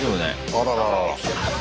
あらららら。